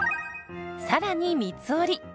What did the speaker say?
さらに三つ折り。